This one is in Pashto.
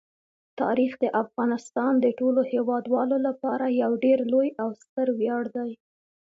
تاریخ د افغانستان د ټولو هیوادوالو لپاره یو ډېر لوی او ستر ویاړ دی.